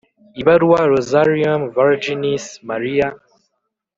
ibaruwa “rosarium virginis mariae